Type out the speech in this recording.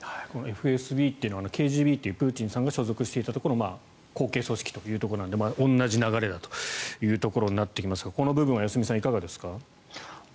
ＦＳＢというのはＫＧＢというプーチンさんが所属していたところの後継組織というところなので同じ流れだというところになってきますがこの部分は良純さん、いかがですか。